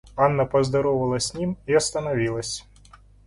Анна поздоровалась с ним и остановилась.